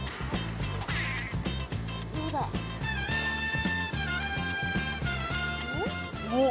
どうだ？おっ？